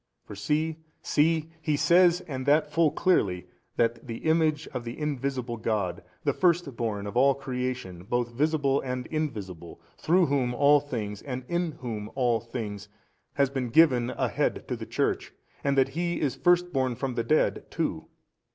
For see, see, he says and that full clearly, that the Image of the Invisible God, the first born of all creation, both visible and invisible, through Whom all |302 things and in Whom all things, has been given a Head to the Church, and that He is First born from the dead too.